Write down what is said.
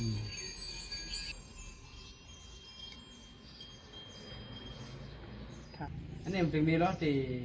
อันนี้มันเป็นมีรสที่